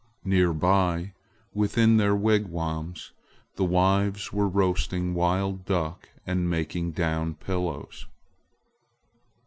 Near by, within their wigwams, the wives were roasting wild duck and making down pillows.